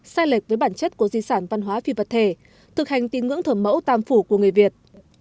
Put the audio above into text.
sai lệch với bản chất của di sản văn hóa phi vật thể thực hành tín ngưỡng thờ mẫu tam phủ của người việt